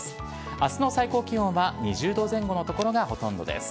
あすの最高気温は２０度前後の所がほとんどです。